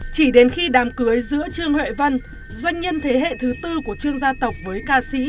chỉ đến khi đám cưới giữa trương huệ vân doanh nhân thế hệ thứ tư của trương gia tộc với ca sĩ